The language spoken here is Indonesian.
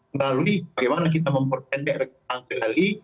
melalui bagaimana kita memperpendek rencana kendali